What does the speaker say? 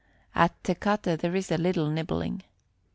At Tecate there is a little nibbling.